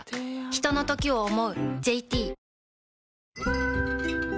ひとのときを、想う。